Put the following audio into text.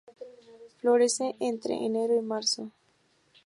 Florece entre enero y marzo.